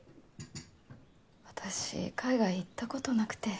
私海外行ったことなくて。